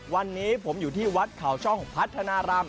วันนี้ผมอยู่ที่วัดเขาช่องพัฒนาราม